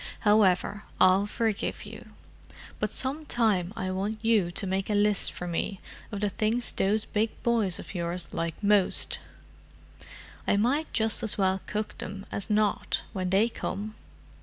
"However, I'll forgive you: but some time I want you to make a list for me of the things those big boys of yours like most: I might just as well cook them as not, when they come.